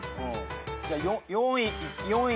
じゃあ４位。